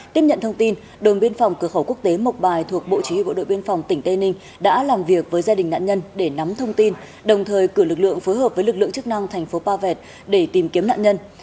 tiếp nhận thông tin đồn biên phòng cửa khẩu quốc tế mộc bài thuộc bộ chỉ huy bộ đội biên phòng tỉnh tây ninh đã làm việc với gia đình nạn nhân để nắm thông tin đồng thời cử lực lượng phối hợp với lực lượng chức năng thành phố pa vẹt để tìm kiếm nạn nhân